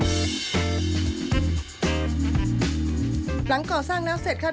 หลังก่อสร้างนักเสร็จ